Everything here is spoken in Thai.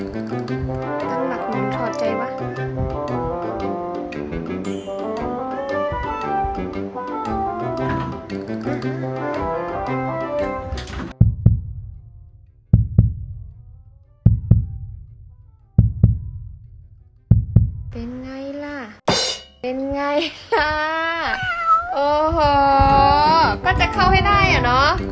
ใครมันเปิดประตูกลางคืนมันเปิดกลางคืนทั้งคืนจริง